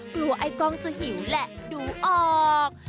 ไอ้กล้องจะหิวแหละดูออก